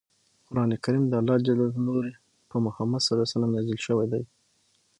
قران کریم د الله ج له لورې په محمد ص نازل شوی دی.